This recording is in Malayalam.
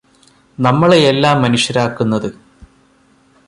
നമ്മളെയെല്ലാം മനുഷ്യരാക്കുന്നത്